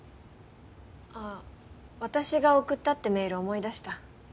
あ私が送ったってメール思い出した。